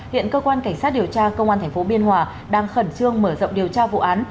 hiện cơ quan cảnh sát điều tra công an tp biên hòa đang khẩn trương mở rộng điều tra vụ án